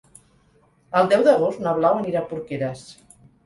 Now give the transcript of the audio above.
El deu d'agost na Blau anirà a Porqueres.